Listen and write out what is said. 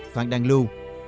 phạm đăng lưu